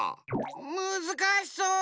むずかしそう。